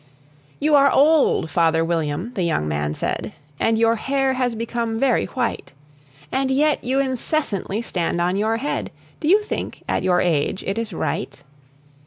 "You are old, Father William," the young man said, "And your hair has become very white; And yet you incessantly stand on your head Do you think, at your age, it is right?"